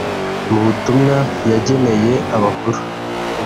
Mu butumwa yageneye abakuru